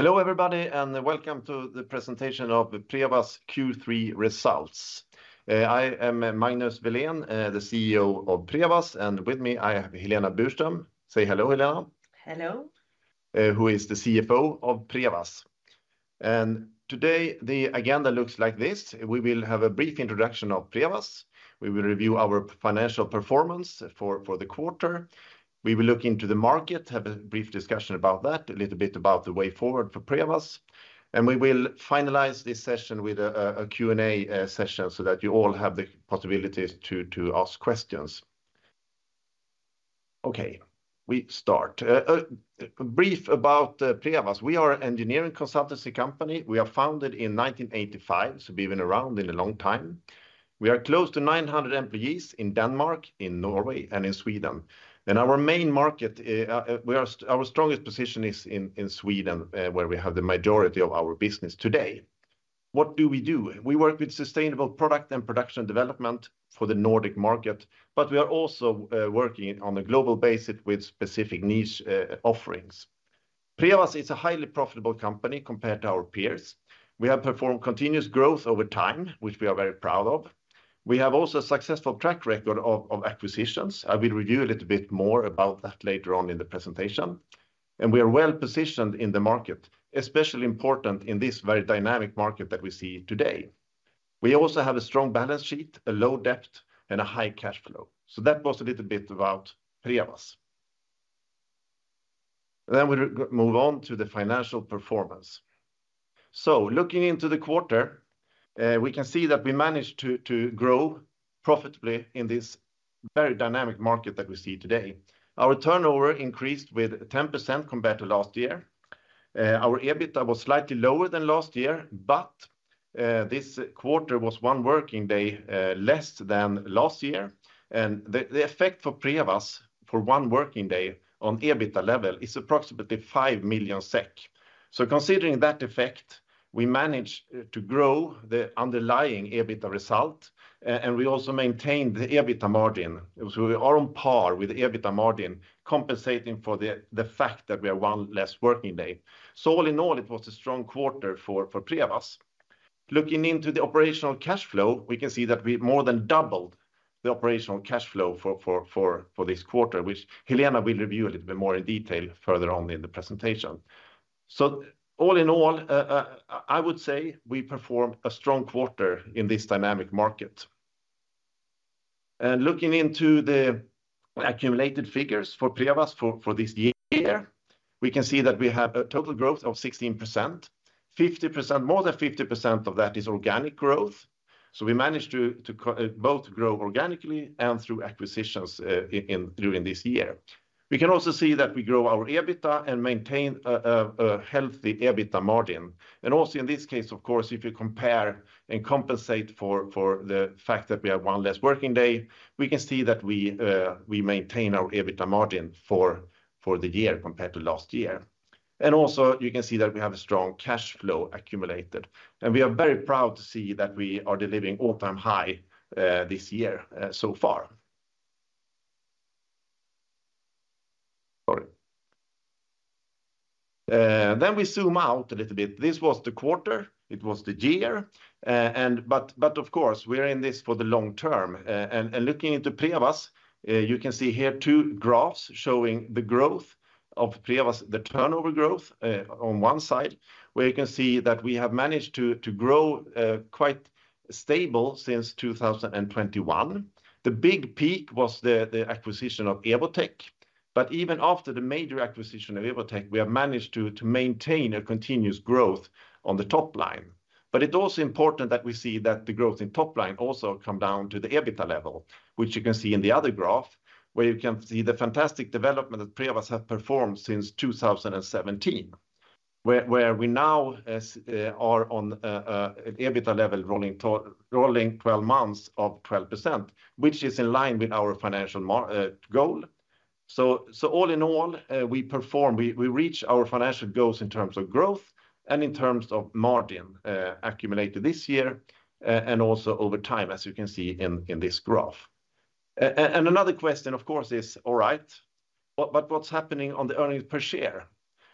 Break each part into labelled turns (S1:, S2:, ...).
S1: Hello, everybody, and welcome to the presentation of Prevas' Q3 results. I am Magnus Welén, the CEO of Prevas, and with me, I have Helena Burström. Say hello, Helena.
S2: Hello.
S1: Who is the CFO of Prevas? Today, the agenda looks like this: We will have a brief introduction of Prevas. We will review our financial performance for the quarter. We will look into the market, have a brief discussion about that, a little bit about the way forward for Prevas, and we will finalize this session with a Q&A session, so that you all have the possibilities to ask questions. Okay, we start. Brief about Prevas. We are an engineering consultancy company. We are founded in 1985, so we've been around in a long time. We are close to 900 employees in Denmark, in Norway, and in Sweden, and our main market, our strongest position is in Sweden, where we have the majority of our business today. What do we do? We work with sustainable product and production Dvelopment for the Nordic market, but we are also working on a global basis with specific niche offerings. Prevas is a highly profitable company compared to our peers. We have performed continuous growth over time, which we are very proud of. We have also a successful track record of acquisitions. I will review a little bit more about that later on in the presentation, and we are well-positioned in the market, especially important in this very dynamic market that we see today. We also have a strong balance sheet, a low debt, and a high cash flow. So that was a little bit about Prevas. Then we move on to the financial performance. So looking into the quarter, we can see that we managed to grow profitably in this very dynamic market that we see today. Our turnover increased with 10% compared to last year. Our EBITDA was slightly lower than last year, but this quarter was one working day less than last year, and the effect for Prevas for one working day on EBITDA level is approximately 5 million SEK. So considering that effect, we managed to grow the underlying EBITDA result, and we also maintained the EBITDA margin. So we are on par with the EBITDA margin, compensating for the fact that we are one less working day. So all in all, it was a strong quarter for Prevas. Looking into the operational cash flow, we can see that we more than doubled the operational cash flow for this quarter, which Helena will review a little bit more in detail further on in the presentation. So all in all, I would say we performed a strong quarter in this dynamic market. And looking into the accumulated figures for Prevas for this year, we can see that we have a total growth of 16%. 50%—more than 50% of that is organic growth, so we managed to both grow organically and through acquisitions during this year. We can also see that we grow our EBITDA and maintain a healthy EBITDA margin. And also, in this case, of course, if you compare and compensate for the fact that we have one less working day, we can see that we maintain our EBITDA margin for the year compared to last year. Also, you can see that we have a strong cash flow accumulated, and we are very proud to see that we are delivering all-time high this year so far. Sorry. Then we zoom out a little bit. This was the quarter, it was the year, but of course, we are in this for the long term. And looking into Prevas, you can see here two graphs showing the growth of Prevas, the turnover growth on one side, where you can see that we have managed to grow quite stable since 2021. The big peak was the acquisition of Evotech, but even after the major acquisition of Evotech, we have managed to maintain a continuous growth on the top line. But it's also important that we see that the growth in top line also come down to the EBITDA level, which you can see in the other graph, where you can see the fantastic Dvelopment that Prevas have performed since 2017, where we now are on an EBITDA level, rolling 12 months of 12%, which is in line with our financial margin goal. So all in all, we perform, we reach our financial goals in terms of growth and in terms of margin, accumulated this year, and also over time, as you can see in this graph. And another question, of course, is, all right, but what's happening on the earnings per share?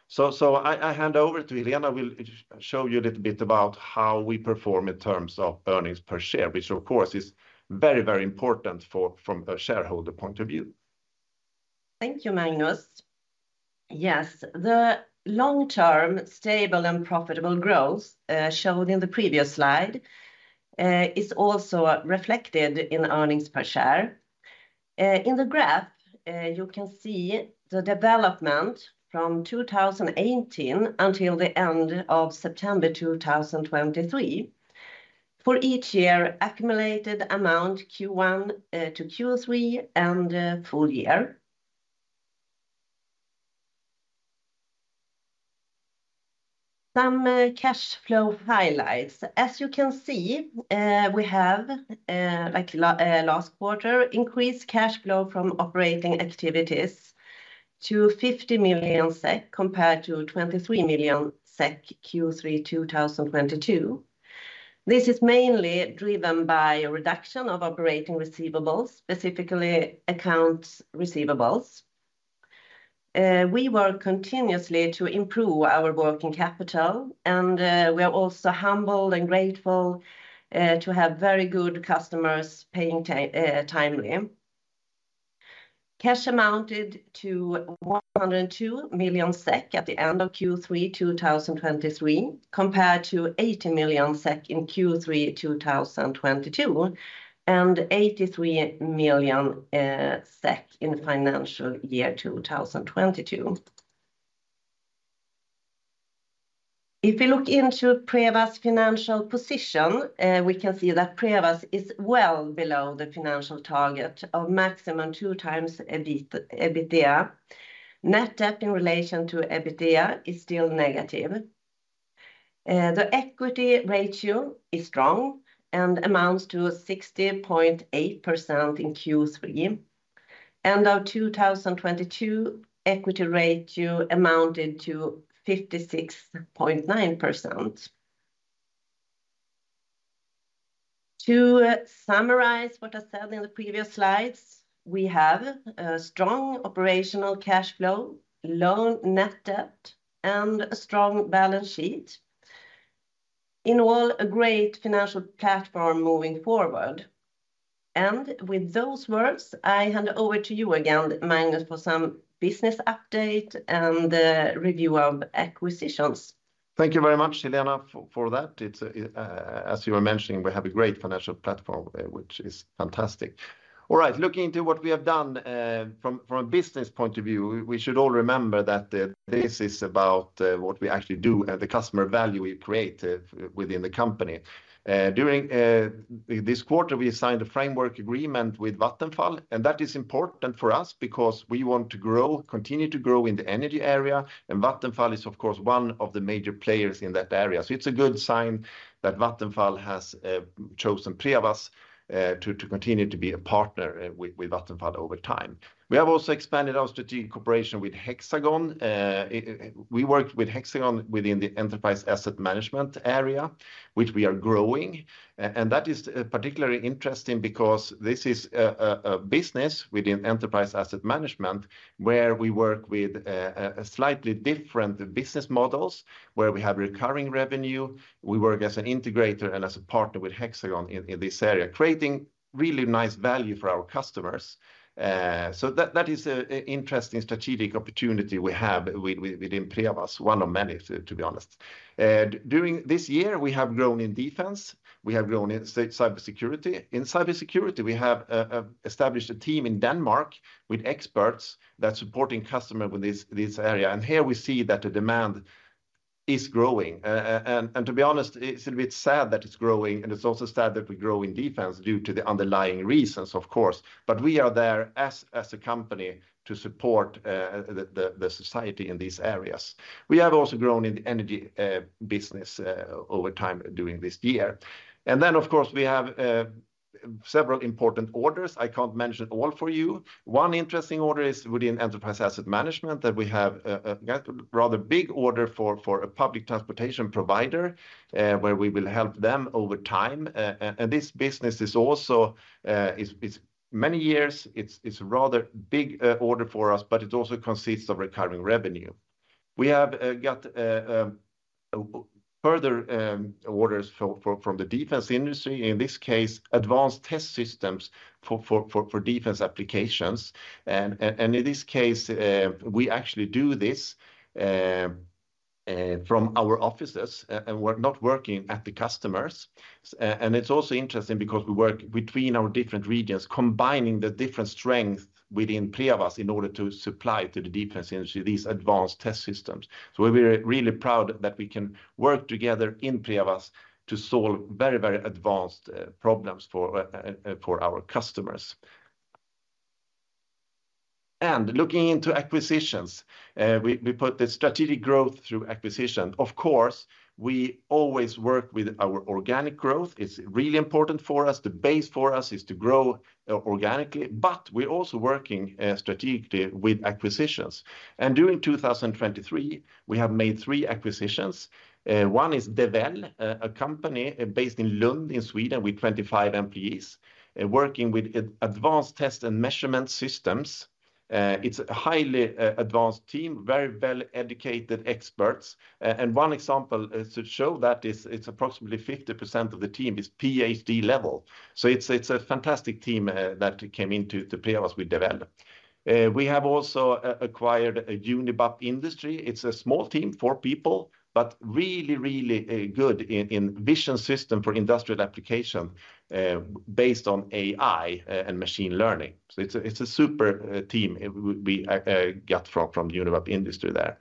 S1: So, I hand over to Helena who will show you a little bit about how we perform in terms of earnings per share, which, of course, is very, very important from a shareholder point of view.
S2: Thank you, Magnus. Yes, the long-term, stable, and profitable growth showed in the previous slide is also reflected in earnings per share. In the graph, you can see the Development from 2018 until the end of September 2023. For each year, accumulated amount, Q1 to Q3, and full year. Some cash flow highlights. As you can see, we have, like last quarter, increased cash flow from operating activities to 50 million SEK, compared to 23 million SEK, Q3 2022. This is mainly driven by a reduction of operating receivables, specifically accounts receivables. We work continuously to improve our working capital, and we are also humbled and grateful to have very good customers paying timely. Cash amounted to 102 million SEK at the end of Q3 2023, compared to 80 million SEK in Q3 2022, and 83 million SEK in financial year 2022. If you look into Prevas financial position, we can see that Prevas is well below the financial target of maximum 2x EBIT-EBITDA. Net debt in relation to EBITDA is still negative. The equity ratio is strong and amounts to 60.8% in Q3, and our 2022 equity ratio amounted to 56.9%. To summarize what I said in the previous slides, we have a strong operational cash flow, low net debt, and a strong balance sheet. In all, a great financial platform moving forward. With those words, I hand over to you again, Magnus, for some business update and review of acquisitions.
S1: Thank you very much, Helena, for that. It's as you were mentioning, we have a great financial platform, which is fantastic. All right, looking into what we have done, from a business point of view, we should all remember that this is about what we actually do, the customer value we create within the company. During this quarter, we signed a framework agreement with Vattenfall, and that is important for us because we want to grow, continue to grow in the energy area, and Vattenfall is, of course, one of the major players in that area. So it's a good sign that Vattenfall has chosen Prevas to continue to be a partner with Vattenfall over time. We have also expanded our strategic cooperation with Hexagon. We worked with Hexagon within the enterprise asset management area, which we are growing. And that is particularly interesting because this is a business within enterprise asset management, where we work with a slightly different business models, where we have recurring revenue. We work as an integrator and as a partner with Hexagon in this area, creating really nice value for our customers. So that is an interesting strategic opportunity we have within Prevas, one of many, to be honest. During this year, we have grown in defense. We have grown in cybersecurity. In cybersecurity, we have established a team in Denmark with experts that's supporting customer with this area. Here we see that the demand is growing. And to be honest, it's a bit sad that it's growing, and it's also sad that we grow in defense due to the underlying reasons, of course. But we are there as a company to support the society in these areas. We have also grown in the energy business over time during this year. And then, of course, we have several important orders. I can't mention all for you. One interesting order is within Enterprise Asset Management that we have got rather big order for a public transportation provider where we will help them over time. And this business is also many years. It's a rather big order for us, but it also consists of recurring revenue. We have got further orders from the defense industry, in this case, advanced test systems for defense applications. And in this case, we actually do this from our offices, and we're not working at the customers. And it's also interesting because we work between our different regions, combining the different strengths within Prevas in order to supply to the defense industry, these advanced test systems. So we're really proud that we can work together in Prevas to solve very advanced problems for our customers. And looking into acquisitions, we put the strategic growth through acquisition. Of course, we always work with our organic growth. It's really important for us. The base for us is to grow organically, but we're also working strategically with acquisitions. During 2023, we have made 3 acquisitions. One is Dvel, a company based in Lund, in Sweden, with 25 employees, working with advanced test and measurement systems. It's a highly advanced team, very well-educated experts. And one example to show that is, it's approximately 50% of the team is PhD level. So it's a fantastic team that came into Prevas with Dvel. We have also acquired Unibap Industry. It's a small team, 4 people, but really, really good in vision system for industrial application, based on AI and machine learning. So it's a super team we got from Unibap Industry there.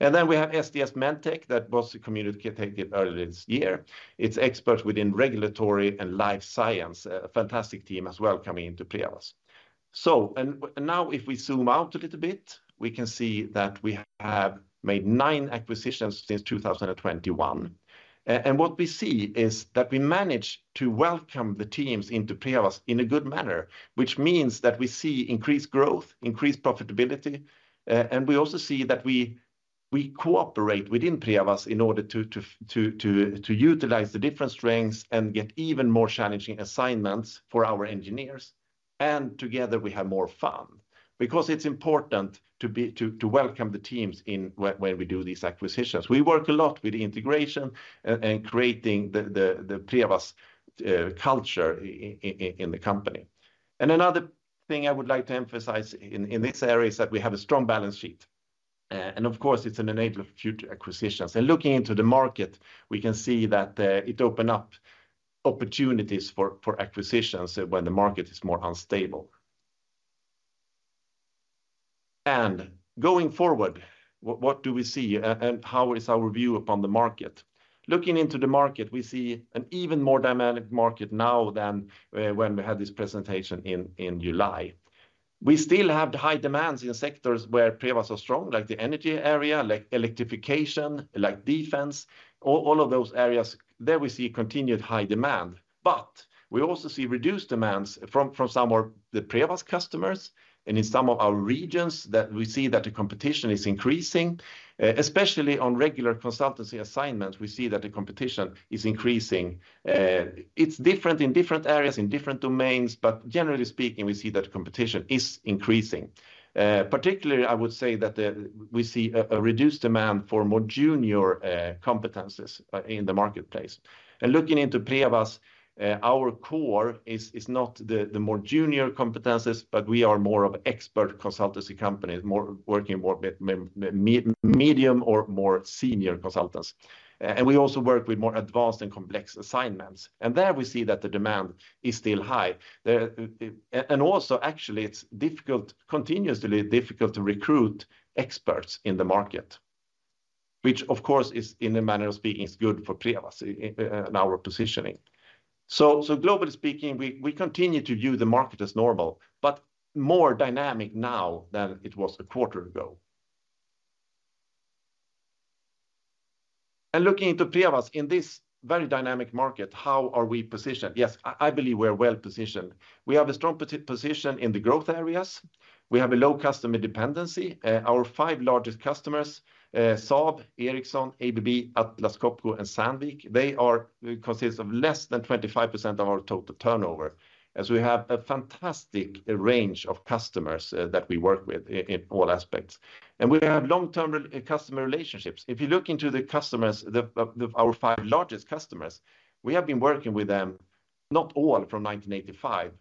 S1: And then we have SDS MedteQ, that was communicated earlier this year. It's experts within regulatory and life science, a fantastic team as well, coming into Prevas. And now, if we zoom out a little bit, we can see that we have made 9 acquisitions since 2021. And what we see is that we managed to welcome the teams into Prevas in a good manner, which means that we see increased growth, increased profitability, and we also see that we cooperate within Prevas in order to utilize the different strengths and get even more challenging assignments for our engineers. And together, we have more fun, because it's important to welcome the teams in when we do these acquisitions. We work a lot with integration and creating the Prevas culture in the company. And another thing I would like to emphasize in this area is that we have a strong balance sheet. And of course, it's an enabler of future acquisitions. And looking into the market, we can see that it open up opportunities for acquisitions when the market is more unstable. And going forward, what do we see, and how is our view upon the market? Looking into the market, we see an even more dynamic market now than when we had this presentation in July. We still have the high demands in sectors where Prevas are strong, like the energy area, like electrification, like defense, all of those areas. There we see continued high demand. But we also see reduced demands from some of the Prevas customers and in some of our regions, that we see that the competition is increasing, especially on regular consultancy assignments, we see that the competition is increasing. It's different in different areas, in different domains, but generally speaking, we see that competition is increasing. Particularly, I would say that we see a reduced demand for more junior competencies in the marketplace. And looking into Prevas, our core is not the more junior competencies, but we are more of expert consultancy company, more working with medium or more senior consultants. And we also work with more advanced and complex assignments, and there we see that the demand is still high. Actually, it's difficult, continuously difficult to recruit experts in the market, which of course is, in a manner of speaking, good for Prevas in our positioning. So globally speaking, we continue to view the market as normal, but more dynamic now than it was a quarter ago. Looking into Prevas, in this very dynamic market, how are we positioned? Yes, I believe we're well-positioned. We have a strong position in the growth areas. We have a low customer dependency. Our five largest customers, Saab, Ericsson, ABB, Atlas Copco, and Sandvik, consist of less than 25% of our total turnover, as we have a fantastic range of customers that we work with in all aspects. We have long-term customer relationships. If you look into the customers, our five largest customers, we have been working with them, not all from 1985,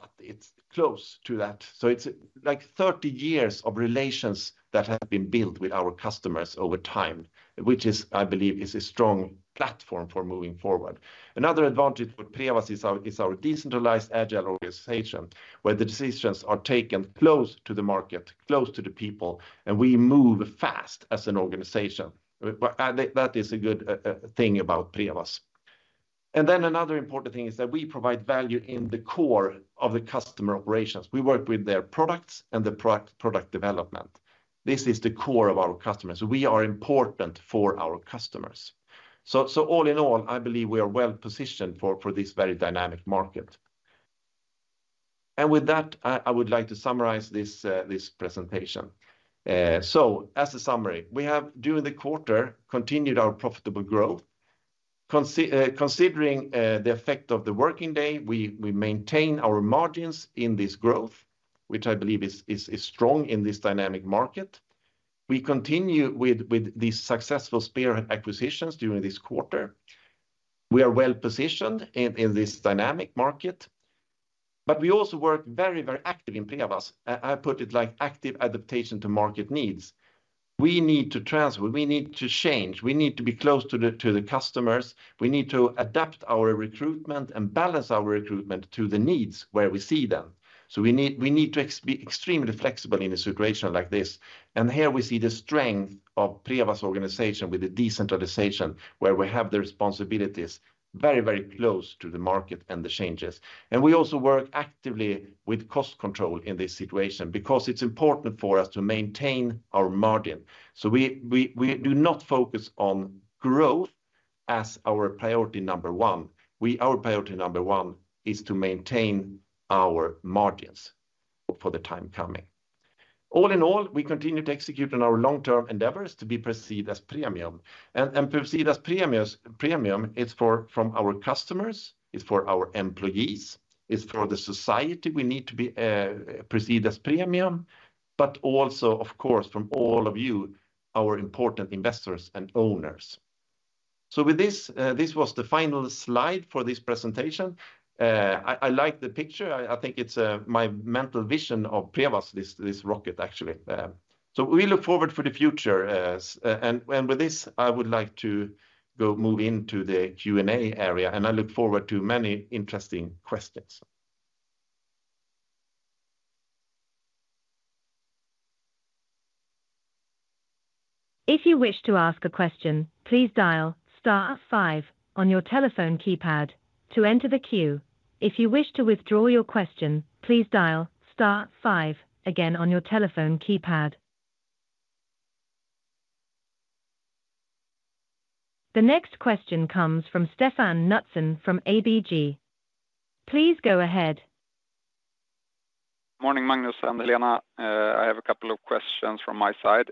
S1: but it's close to that. So it's like 30 years of relations that have been built with our customers over time, which is, I believe, a strong platform for moving forward. Another advantage with Prevas is our decentralized, agile organization, where the decisions are taken close to the market, close to the people, and we move fast as an organization. But that is a good thing about Prevas. And then another important thing is that we provide value in the core of the customer operations. We work with their products and the product Dvelopment. This is the core of our customers. We are important for our customers. So all in all, I believe we are well-positioned for this very dynamic market. And with that, I would like to summarize this presentation. So as a summary, we have during the quarter continued our profitable growth. Considering the effect of the working day, we maintain our margins in this growth, which I believe is strong in this dynamic market. We continue with these successful spear acquisitions during this quarter. We are well-positioned in this dynamic market, but we also work very, very active in Prevas. I put it like active adaptation to market needs. We need to transfer, we need to change, we need to be close to the customers, we need to adapt our recruitment and balance our recruitment to the needs where we see them. So we need to be extremely flexible in a situation like this. And here we see the strength of Prevas' organization with the decentralization, where we have the responsibilities very, very close to the market and the changes. And we also work actively with cost control in this situation, because it's important for us to maintain our margin. So we do not focus on growth as our priority number one. Our priority number one is to maintain our margins for the time coming. All in all, we continue to execute on our long-term endeavors to be perceived as premium. And, and perceived as premium, premium, it's for, from our customers, it's for our employees, it's for the society we need to be perceived as premium, but also, of course, from all of you, our important investors and owners. So with this, this was the final slide for this presentation. I, I like the picture. I, I think it's, my mental vision of Prevas, this, this rocket, actually. So we look forward for the future, and, and with this, I would like to go move into the Q&A area, and I look forward to many interesting questions.
S3: If you wish to ask a question, please dial star five on your telephone keypad to enter the queue. If you wish to withdraw your question, please dial star five again on your telephone keypad.... The next question comes from Stefan Knutsson from ABG. Please go ahead.
S4: Morning, Magnus and Helena. I have a couple of questions from my side.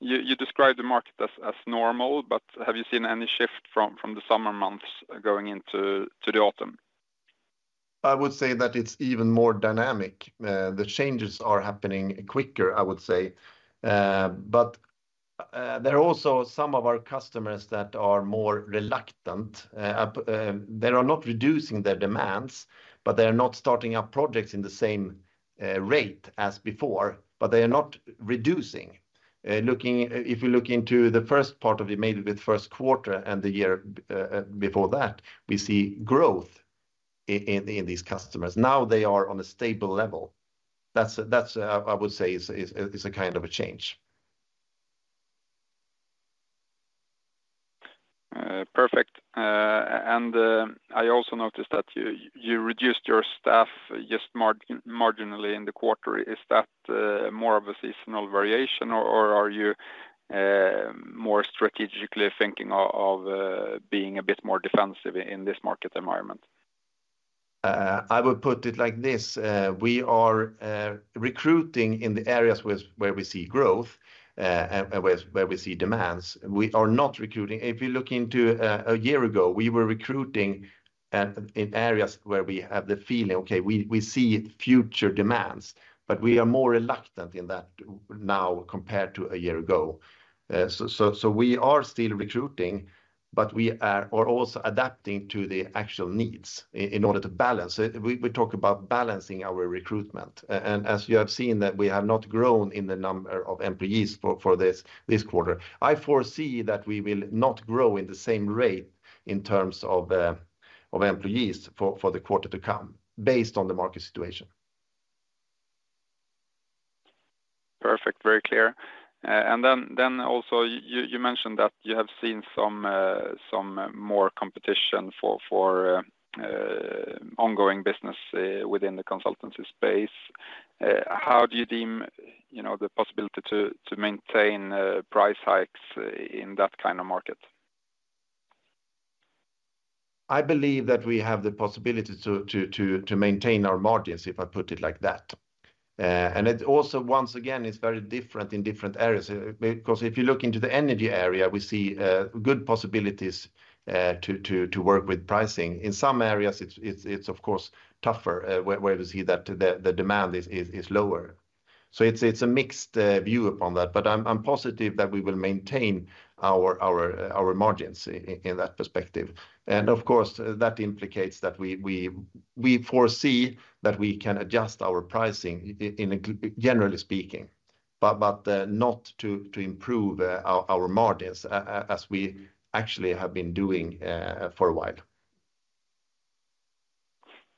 S4: You described the market as normal, but have you seen any shift from the summer months going into the autumn?
S1: I would say that it's even more dynamic. The changes are happening quicker, I would say. But there are also some of our customers that are more reluctant. They are not reducing their demands, but they are not starting up projects in the same rate as before, but they are not reducing. If you look into the first part of the, maybe the first quarter and the year, before that, we see growth in these customers. Now they are on a stable level. That's, I would say, is a kind of a change.
S4: Perfect. I also noticed that you reduced your staff just marginally in the quarter. Is that more of a seasonal variation, or are you more strategically thinking of being a bit more defensive in this market environment?
S1: I would put it like this, we are recruiting in the areas where we see growth, and where we see demands. We are not recruiting... If you look into a year ago, we were recruiting in areas where we have the feeling, okay, we see future demands, but we are more reluctant in that now compared to a year ago. So we are still recruiting, but we are also adapting to the actual needs in order to balance it. We talk about balancing our recruitment, and as you have seen, that we have not grown in the number of employees for this quarter. I foresee that we will not grow in the same rate in terms of employees for the quarter to come, based on the market situation.
S4: Perfect. Very clear. And then also, you mentioned that you have seen some more competition for ongoing business within the consultancy space. How do you deem, you know, the possibility to maintain price hikes in that kind of market?
S1: I believe that we have the possibility to maintain our margins, if I put it like that. And it also, once again, is very different in different areas, because if you look into the energy area, we see good possibilities to work with pricing. In some areas, it's of course tougher, where you see that the demand is lower. So it's a mixed view upon that, but I'm positive that we will maintain our margins in that perspective. And of course, that implicates that we foresee that we can adjust our pricing in, generally speaking, but not to improve our margins as we actually have been doing for a while.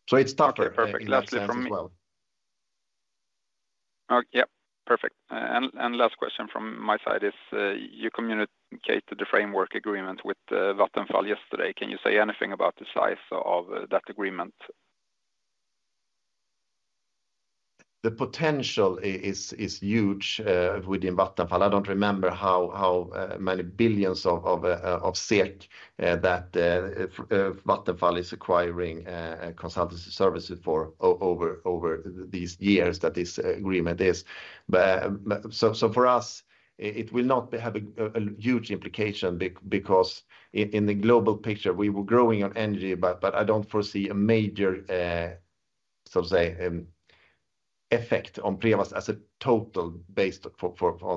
S1: So it's tougher-
S4: Okay, perfect.
S1: In that sense as well.
S4: Yep, perfect. And last question from my side is, you communicated the framework agreement with Vattenfall yesterday. Can you say anything about the size of that agreement?
S1: The potential is huge within Vattenfall. I don't remember how many billions of SEK that Vattenfall is acquiring consultancy services for over these years that this agreement is. But so for us it will not have a huge implication because in the global picture we were growing on energy, but I don't foresee a major so say effect on Prevas as a total based for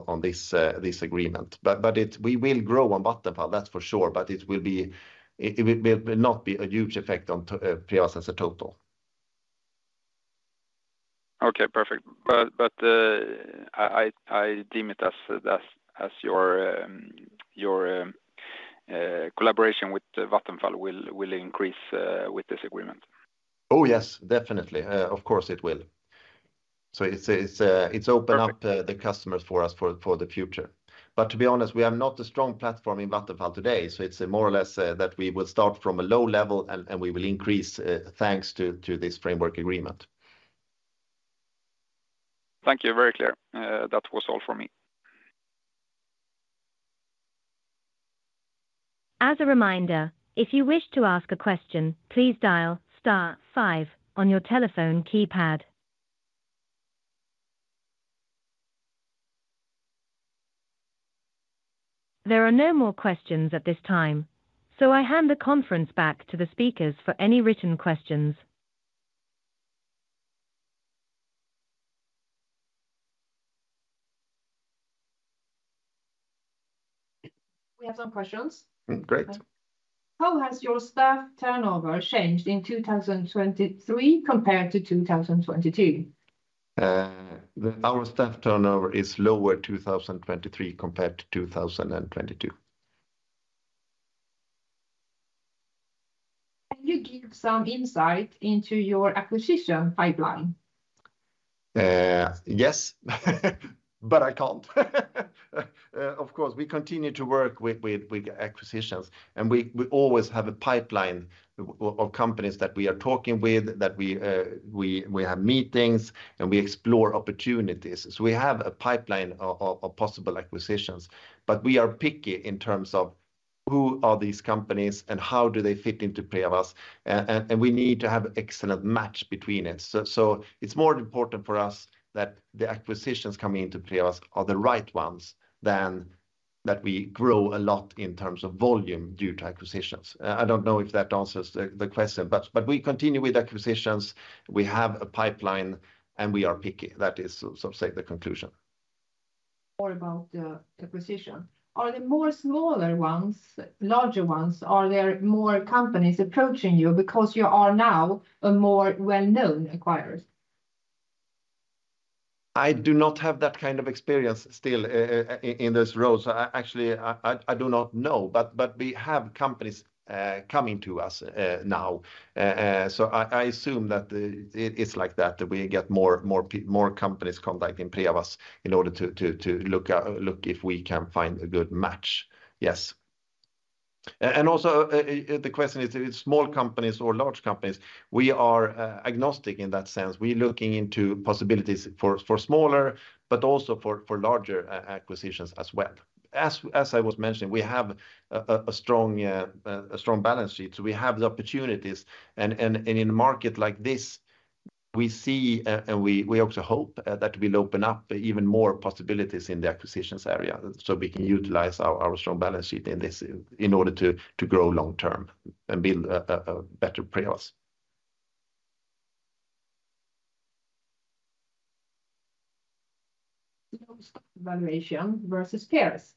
S1: on this agreement. But it we will grow on Vattenfall, that's for sure, but it will not be a huge effect on Prevas as a total.
S4: Okay, perfect. But I deem it as your collaboration with Vattenfall will increase with this agreement.
S1: Oh, yes, definitely. Of course, it will. So it's opened up-
S4: Perfect...
S1: the customers for us, for the future. But to be honest, we are not a strong platform in Vattenfall today, so it's more or less that we will start from a low level and we will increase thanks to this framework agreement.
S4: Thank you. Very clear. That was all for me.
S3: As a reminder, if you wish to ask a question, please dial star five on your telephone keypad. There are no more questions at this time, so I hand the conference back to the speakers for any written questions.
S5: We have some questions.
S1: Great.
S5: How has your staff turnover changed in 2023 compared to 2022?
S1: Our staff turnover is lower in 2023 compared to 2022.
S5: Can you give some insight into your acquisition pipeline?
S1: Yes, but I can't. Of course, we continue to work with acquisitions, and we always have a pipeline of companies that we are talking with, that we have meetings, and we explore opportunities. So we have a pipeline of possible acquisitions, but we are picky in terms of who these companies are, and how they fit into Prevas. And we need to have excellent match between it. So it's more important for us that the acquisitions coming into Prevas are the right ones than that we grow a lot in terms of volume due to acquisitions. I don't know if that answers the question, but we continue with acquisitions. We have a pipeline, and we are picky. That is, so say the conclusion.
S5: More about the acquisition. Are there more smaller ones, larger ones? Are there more companies approaching you because you are now a more well-known acquirers?
S1: I do not have that kind of experience still in this role. So I actually do not know. But we have companies coming to us now. So I assume that it's like that, that we get more companies contacting Prevas in order to look if we can find a good match. Yes. And also the question is small companies or large companies? We are agnostic in that sense. We're looking into possibilities for smaller, but also for larger acquisitions as well. As I was mentioning, we have a strong balance sheet, so we have the opportunities. And in a market like this, we see and we also hope that will open up even more possibilities in the acquisitions area, so we can utilize our strong balance sheet in this in order to grow long term and build a better Prevas.
S5: Low stock valuation versus peers.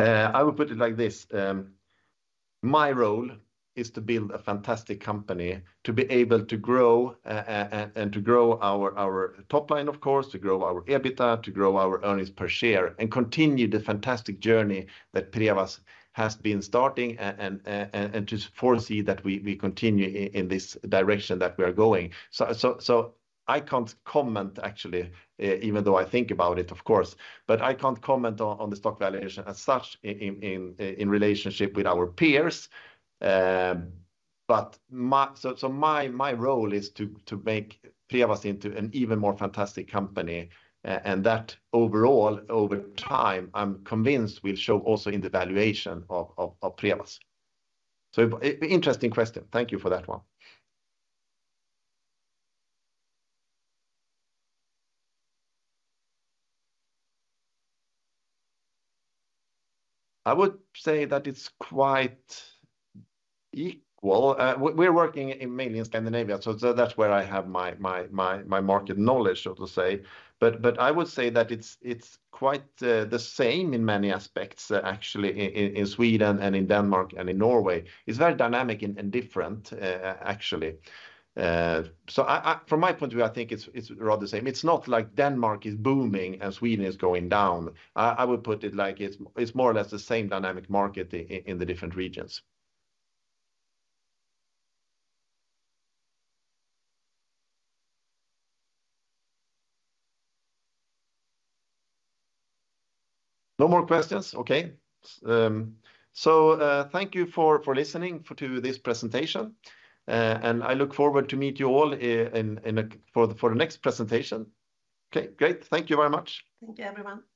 S1: I would put it like this, my role is to build a fantastic company, to be able to grow, and to grow our top line, of course, to grow our EBITDA, to grow our earnings per share, and continue the fantastic journey that Prevas has been starting, and to foresee that we continue in this direction that we are going. So, I can't comment actually, even though I think about it of course, but I can't comment on the stock valuation as such in relationship with our peers. But my... So, my role is to make Prevas into an even more fantastic company, and that overall, over time, I'm convinced will show also in the valuation of Prevas. So interesting question. Thank you for that one. I would say that it's quite equal. We're working mainly in Scandinavia, so that's where I have my market knowledge, so to say. But I would say that it's quite the same in many aspects, actually, in Sweden and in Denmark and in Norway. It's very dynamic and different, actually. So from my point of view, I think it's rather the same. It's not like Denmark is booming and Sweden is going down. I would put it like it's more or less the same dynamic market in the different regions. No more questions? Okay. So thank you for listening to this presentation, and I look forward to meet you all in for the next presentation. Okay, great. Thank you very much.
S3: Thank you, everyone.